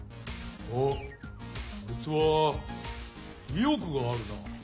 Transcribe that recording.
「おっこいつは意欲があるな。